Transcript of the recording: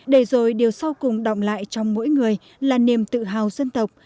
để rồi điều sau cùng động lại trong mỗi người là niềm tự hào dân tộc